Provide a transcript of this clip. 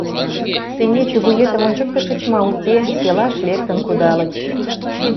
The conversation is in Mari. Теҥгече вуетым ончыктышыч ма уке — селаш лектын кудальыч.